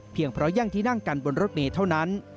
เพราะแย่งที่นั่งกันบนรถเมย์เท่านั้น